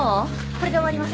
これで終わります。